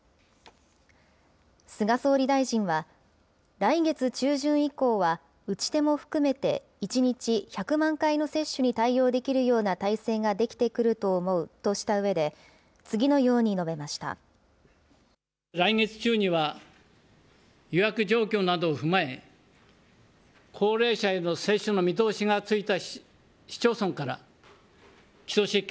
菅総理大臣は、来月中旬以降は、打ち手も含めて、１日１００万回の接種に対応できるような体制が出来てくると思うとしたうえで、次のように述べました。